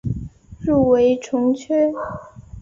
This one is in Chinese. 入围从缺。